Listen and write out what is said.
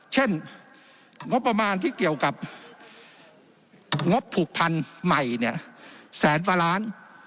เช่นงบประมาณที่เกี่ยวกับงบผูกพันธุ์ใหม่เนี่ยแสนกว่าล้าน